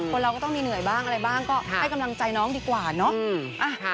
เราก็ต้องมีเหนื่อยบ้างอะไรบ้างก็ให้กำลังใจน้องดีกว่าเนาะ